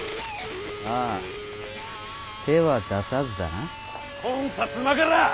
ああ手は出さずだな。